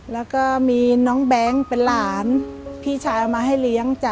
แล้วก็มีน้องแบงค์เป็นหลานพี่ชายเอามาให้เลี้ยงจ้ะ